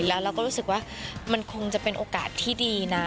แล้วเราก็รู้สึกว่ามันคงจะเป็นโอกาสที่ดีนะ